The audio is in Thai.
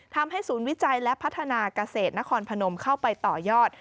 ทำให้ศูนย์วิจัยและพัฒนาเกษตรนครพนมเข้าไปต่อยอด